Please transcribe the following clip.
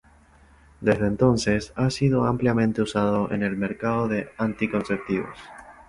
Desde entonces ha sido ampliamente usado en el mercado de anticonceptivos.